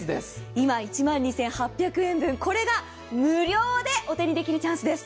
今、１万２８００円分が無料でお手にできるチャンスです。